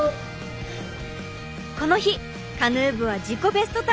この日カヌー部は自己ベストタイムを連発！